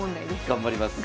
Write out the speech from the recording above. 頑張ります。